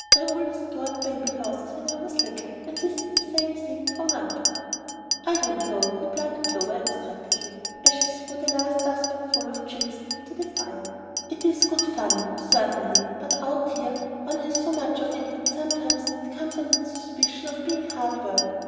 I always adored baby houses when I was little, and this is the same thing grown up." "I don't know," replied Clover, abstractedly, as she threw a last dustpanful of chips into the fire. "It is good fun, certainly; but out here one has so much of it that sometimes it comes under the suspicion of being hard work.